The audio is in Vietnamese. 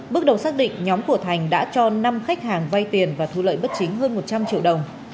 bước đầu xác định nhóm của thành đã cho năm khách hàng vay tiền và thu lợi bất chính hơn một trăm linh triệu đồng